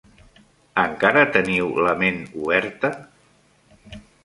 Encara teniu la ment oberta?